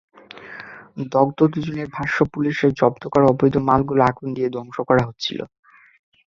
দগ্ধ দুজনের ভাষ্য, পুলিশের জব্দ করা অবৈধ মালামাল আগুন দিয়ে ধ্বংস করা হচ্ছিল।